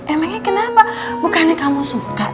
emangnya kenapa bukannya kamu suka